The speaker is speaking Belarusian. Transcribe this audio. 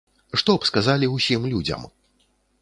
Што б сказалі ўсім людзям?